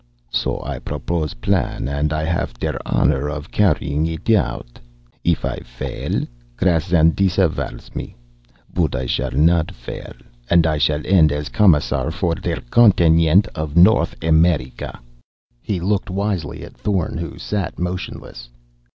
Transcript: So I proposed a plan, and I haff der honor of carrying it out. If I fail, Krassin disavows me. But I shall not fail, and I shall end as Commissar for der continent of North America!" He looked wisely at Thorn, who sat motionless.